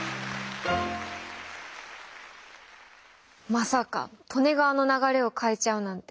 まさか利根川の流れを変えちゃうなんて